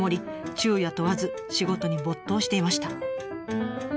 昼夜問わず仕事に没頭していました。